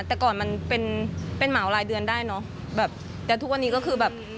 แต่ก่อนมันเป็นเป็นเหมารายเดือนได้เนอะแบบแต่ทุกวันนี้ก็คือแบบ